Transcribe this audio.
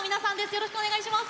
よろしくお願いします！